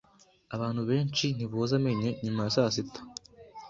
Abantu benshi ntiboza amenyo nyuma ya sasita.